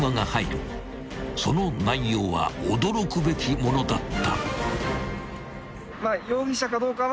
［その内容は驚くべきものだった］